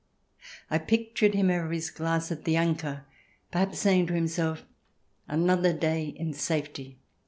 I pictured him over his glass at the Anker, perhaps saying to himself: "Another day in safety